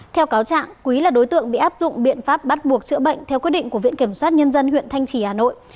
theo cáo trạng quý là đối tượng bị áp dụng biện pháp bắt buộc chữa bệnh theo quyết định của viện kiểm soát nhân dân huyện thanh trì hà nội